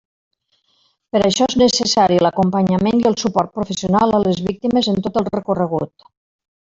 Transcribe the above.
Per a això és necessari l'acompanyament i el suport professional a les víctimes en tot el recorregut.